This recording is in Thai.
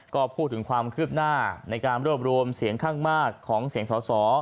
ก็พูดถึงความคืบหน้าในการรวบรวมเสียงข้างมากของเสียงสอสอ